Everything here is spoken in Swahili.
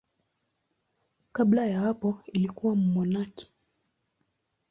Kabla ya hapo alikuwa mmonaki.